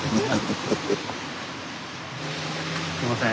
すいません。